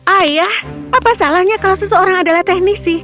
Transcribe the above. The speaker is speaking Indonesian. ayah apa salahnya kalau seseorang adalah teknisi